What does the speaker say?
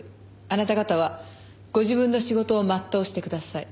あなた方はご自分の仕事を全うしてください。